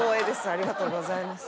ありがとうございます。